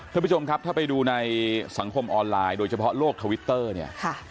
ท่านผู้ชมครับถ้าไปดูในสังคมออนไลน์โดยเฉพาะโลกทวิตเตอร์เนี่ย